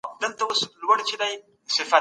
د تعلیم له لارې کولای شو چي بدلون راولو.